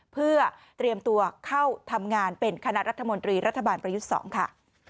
เพื่อเตรียมตัวเข้าทำงานเป็นคณะรัฐมนตรีรัฐบาลประยุทธ์๒ค่ะ